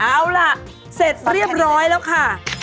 เอาล่ะเสร็จเรียบร้อยแล้วค่ะ